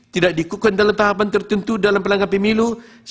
tidak dikukuhkan dalam tahapan terhentu dalam pelanggaran pemilu